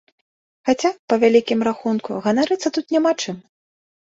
Хаця, па вялікім рахунку, ганарыцца тут няма чым.